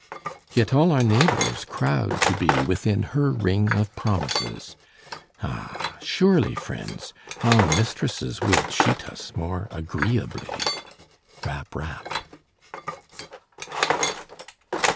Yet all our neighbors crowd to be Within her ring of promises, Ah! surely, friends! our mistresses Will cheat us more agreeably. Rap! rap!